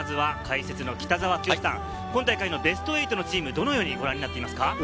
解説の北澤豪さん、今大会のベスト８のチーム、どのようにご覧になっていますか。